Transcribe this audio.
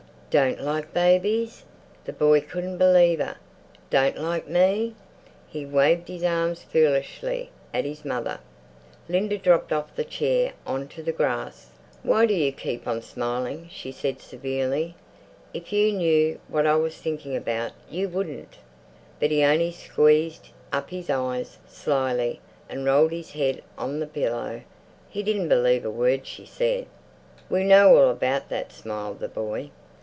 "Don't like babies?" The boy couldn't believe her. "Don't like me?" He waved his arms foolishly at his mother. Linda dropped off her chair on to the grass. "Why do you keep on smiling?" she said severely. "If you knew what I was thinking about, you wouldn't." But he only squeezed up his eyes, slyly, and rolled his head on the pillow. He didn't believe a word she said. "We know all about that!" smiled the boy.